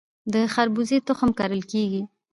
د خربوزې تخم کرل کیږي؟